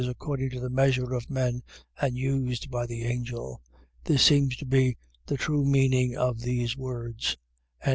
According to the measure of men, and used by the angel. . .This seems to be the true meaning of these words. 21:18.